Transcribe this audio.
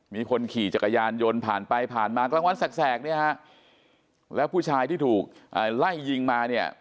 มีคนขี่จักรยานยนต์ผ่านไปผ่านมากลางวันแสกเนี่ยฮะแล้วผู้ชายที่ถูกไล่ยิงมาเนี่ย